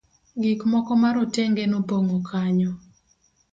gik moko ma rotenge nopong'o kanyo